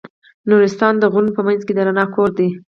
نورستان د غرونو په منځ کې د رڼا کور دی.